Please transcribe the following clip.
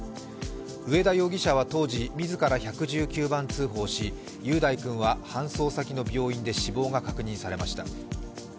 上田容疑者は当時、自ら１１９番通報し雄大君は搬送先の病院で死亡が確認されました。